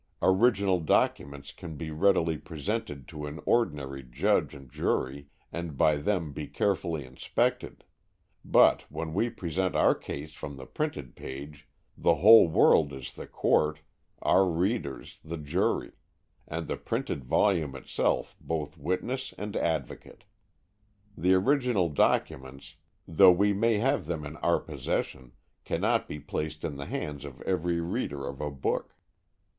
Original documents can be readily presented to an ordinary judge and jury and by them be carefully inspected. But when we present our case from the printed page, the whole world is the court, our readers the jury, and the printed volume itself both witness and advocate. The original documents, though we may have them in our possession, cannot be placed in the hands of every reader of a book.